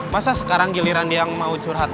masa sekarang giliran yang mau curhat